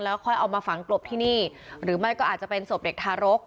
ค่อยเอามาฝังกลบที่นี่หรือไม่ก็อาจจะเป็นศพเด็กทารก